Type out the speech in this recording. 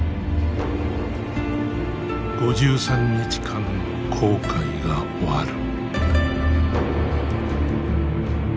５３日間の航海が終わる。